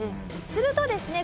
するとですね